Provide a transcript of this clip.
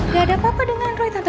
gak ada apa apa dengan roy tanto